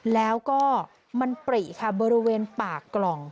แล้วก็มันปริค่ะบริเวณปากกล่อง